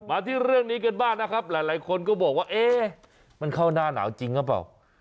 ที่เรื่องนี้กันบ้างนะครับหลายคนก็บอกว่าเอ๊ะมันเข้าหน้าหนาวจริงหรือเปล่า